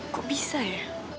kok bisa ya